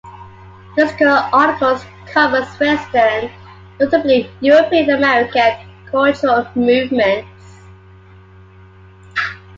This current article covers western, notably European and American cultural movements.